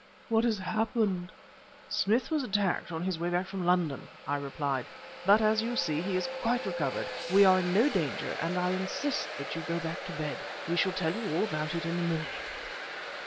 what has happened?" "Smith was attacked on his way back from London," I replied. "But, as you see, he is quite recovered. We are in no danger; and I insist that you go back to bed. We shall tell you all about it in the morning."